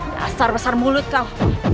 dasar besar mulut kau